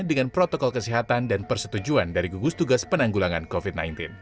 dengan protokol kesehatan dan persetujuan dari gugus tugas penanggulangan covid sembilan belas